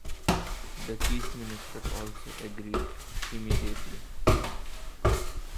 The Chief Minister also agreed immediately.